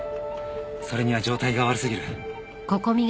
それには状態が悪すぎる。